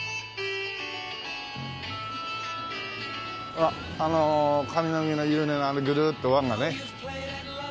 ほらあの上野毛の有名なあのぐるっと輪がね。